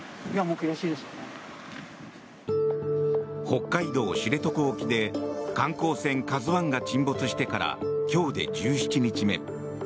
北海道・知床沖で観光船「ＫＡＺＵ１」が沈没してから今日で１７日目。